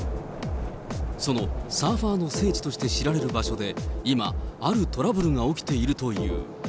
そのサーファーの聖地として知られる場所で、今、あるトラブルが起きているという。